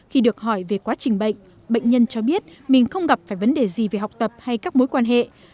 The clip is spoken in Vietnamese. khi được hỏi về quá trình bệnh bệnh nhân cho biết mình không gặp phải vấn đề gì về học tập hay các mối quan hệ